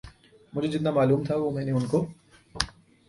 مجھے جتنا معلوم تھا وہ میں نے ان کو